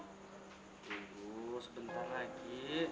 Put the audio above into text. tunggu sebentar lagi